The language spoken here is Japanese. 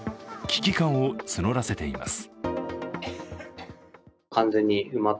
危機感を募らせています。